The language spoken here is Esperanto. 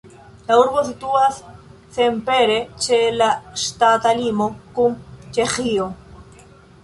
La urbo situas senpere ĉe la ŝtata limo kun Ĉeĥio.